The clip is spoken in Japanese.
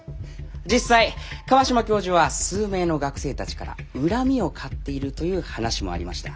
実際川島教授は数名の学生たちから恨みを買っているという話もありました。